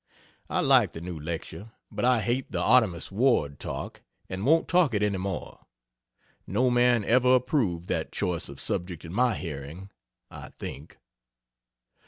I like the new lecture but I hate the "Artemus Ward" talk and won't talk it any more. No man ever approved that choice of subject in my hearing, I think.